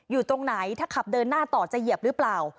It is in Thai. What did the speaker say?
อยู่ตรงไหนถ้าขับเดินหน้าต่อจะเหยียบหรือเปล่า